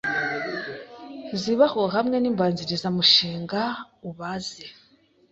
zibaho hamwe nimbanzirizamushinga ubaze